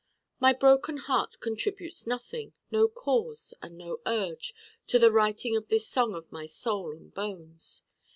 My Broken Heart contributes nothing, no cause and no urge, to the writing of this song of my Soul and bones.